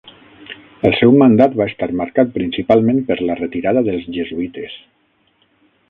El seu mandat va estar marcat principalment per la retirada dels jesuïtes.